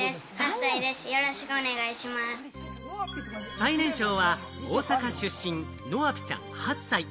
最年少は大阪出身・のあぴちゃん、８歳。